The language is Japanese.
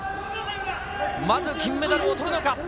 まず金メダルをとるのか。